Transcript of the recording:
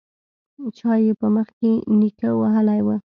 چا يې په مخ کې نيکه وهلی و.